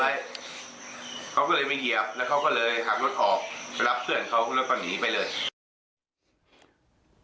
เขาก็เลยมาเหยียบแล้วเขาก็เลยขับรถออกไปรับเพื่อนเขาแล้วก็หนีไปเลย